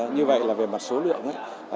như vậy là về mặt số lượng